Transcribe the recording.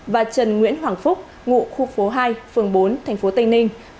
và trần nguyễn hoàng phúc ngụ khu phố hai phường bốn tp tây ninh